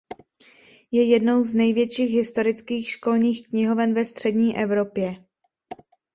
Je jednou z největších historických školních knihoven ve střední Evropě.